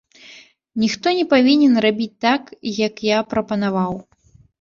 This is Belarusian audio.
Ніхто не павінен рабіць так, як я прапанаваў.